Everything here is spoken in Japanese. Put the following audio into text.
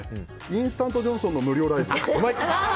インスタントジョンソンの無料ライブ。